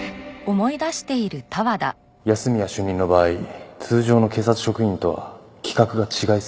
安洛主任の場合通常の警察職員とは規格が違いすぎます。